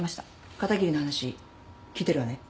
片桐の話聞いてるわね？